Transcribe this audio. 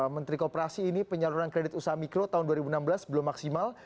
menteri kooperasi ini penyaluran kredit usaha mikro tahun dua ribu enam belas belum maksimal